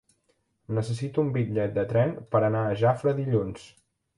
Necessito un bitllet de tren per anar a Jafre dilluns.